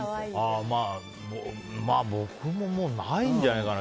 僕もないんじゃないかな。